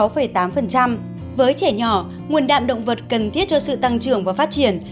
với trẻ nhỏ nguồn đạm động vật cần thiết cho sự tăng trưởng và phát triển